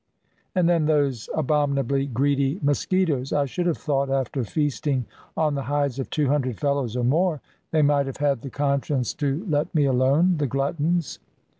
And then those abominably greedy mosquitoes! I should have thought after feasting on the hides of two hundred fellows or more, they might have had the conscience to let me alone, the gluttons!